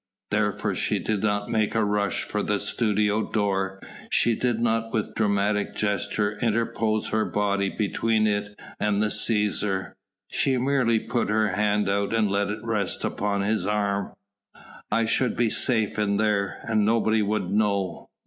Therefore she did not make a rush for the studio door, she did not with dramatic gesture interpose her body between it and the Cæsar: she merely put her hand out and let it rest upon his arm. "I should be safe in there and nobody would know...."